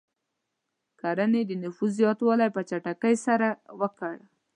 کرنې د نفوس زیاتوالی په چټکۍ سره ورکړ.